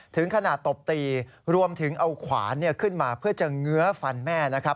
ถึงขนาดตบตีรวมถึงเอาขวานขึ้นมาเพื่อจะเงื้อฟันแม่นะครับ